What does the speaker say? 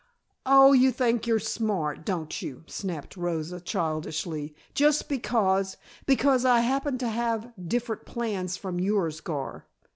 "Oh, you think you're smart, don't you?" snapped Rosa, childishly. "Just because because I happen to have different plans from yours, Gar."